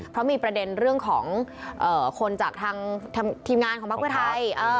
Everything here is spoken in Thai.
เพราะมีประเด็นเรื่องของคนจากทางทีมงานของพักเพื่อไทย